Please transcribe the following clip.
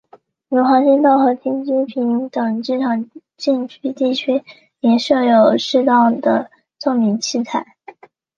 如滑行道和停机坪等机场禁区地区也设有适当的照明器材。